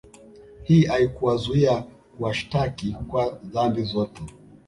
Hii haikuwazuia kuwashtaki kwa dhambi zote